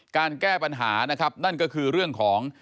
แก้ปัญหานะครับนั่นก็คือเรื่องของ